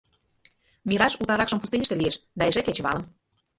— Мираж утларакшым пустыньышто лиеш да эше — кечывалым.